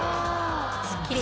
「すっきり」